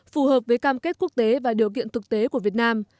phù hợp với cam kết quốc tế và điều kiện thực tế của việt nam